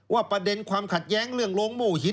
ประเด็นความขัดแย้งเรื่องโรงโม่หิน